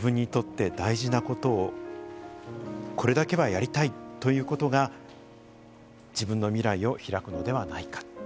「自分にとって大事なことを、これだけはやりたいということが、自分の未来を開くのではないか」。